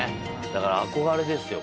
だから憧れですよ